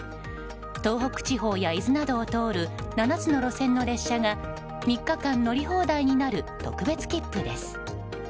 東北地方や伊豆などを通る７つの路線の列車が３日間、乗り放題になる特別切符です。